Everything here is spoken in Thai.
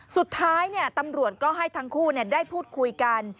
สุดท้ายตำรวจก็ให้ทั้งคู่ได้พูดคุยกัน